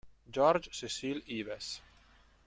George Cecil Ives